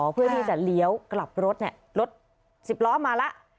เพื่อที่จะเลี้ยวกลับรถรถสิบล้อมาแล้ว